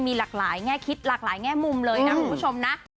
มีหลากหลายแง่คิดหลากหลายแง่มุมเลยนะคุณผู้ชมนะ